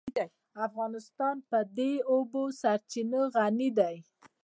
افغانستان په د اوبو سرچینې غني دی.